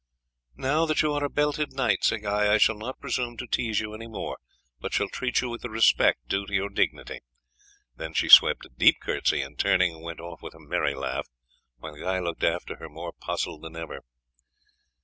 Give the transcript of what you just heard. "Now that you are a belted knight, Sir Guy, I shall not presume to tease you any more, but shall treat you with the respect due to your dignity." Then she swept a deep curtsey, and turning, went off with a merry laugh, while Guy looked after her more puzzled than ever.